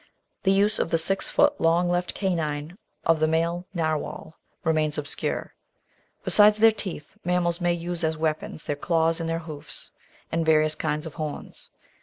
The use of the six foot long left canine of the male Narwhal remains obscure. Besides their teeth mammals may use as weapons their claws and their hoofs, and various kinds of horns.